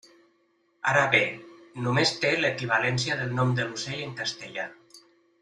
Ara bé, només té l'equivalència del nom de l'ocell en castellà.